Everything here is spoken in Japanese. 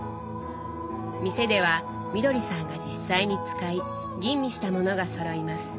店ではみどりさんが実際に使い吟味した物がそろいます。